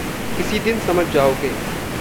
किसी दिन समझ जाओगे।